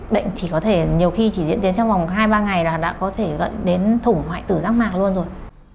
bệnh thì có thể nhiều khi chỉ diễn tiến trong vòng hai ba ngày là đã có thể gận đến thủng hoại tử rác mạc luôn rồi